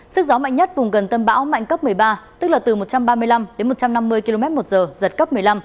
sức gió mạnh nhất vùng gần tâm bão mạnh cấp một mươi ba tức là từ một trăm ba mươi năm đến một trăm năm mươi km một giờ giật cấp một mươi năm